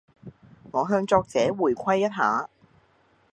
我向作者回饋一下